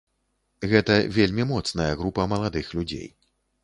Гэта вельмі моцная група маладых людзей.